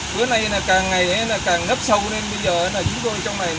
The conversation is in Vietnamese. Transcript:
bữa nay càng ngày càng nấp sâu lên bây giờ chúng tôi trong này